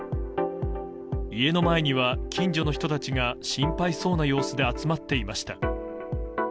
家の前には近所の人たちが心配そうな様子で集まっていました。